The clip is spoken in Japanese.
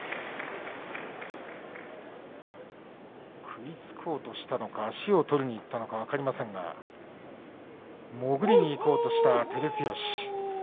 食いつこうとしたのか足を取りにいったのか分かりませんが潜りにいこうとした照強。